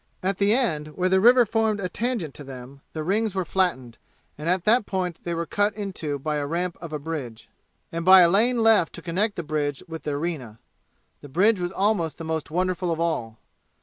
At the end where the river formed a tangent to them the rings were flattened, and at that point they were cut into by the ramp of a bridge, and by a lane left to connect the bridge with the arena. The bridge was almost the most wonderful of all.